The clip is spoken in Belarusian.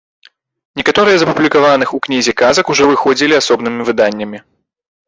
Некаторыя з апублікаваных у кнізе казак ужо выходзілі асобнымі выданнямі.